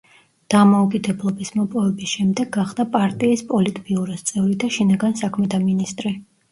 დამოუკიდებლობის მოპოვების შემდეგ გახდა პარტიის პოლიტბიუროს წევრი და შინაგან საქმეთა მინისტრი.